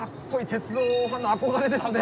鉄道ファンの憧れですね。